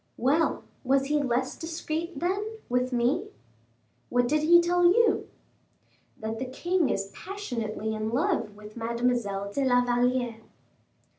"Well, was he less discreet, then, with me." "What did he tell you?" "That the king is passionately in love with Mademoiselle de la Valliere."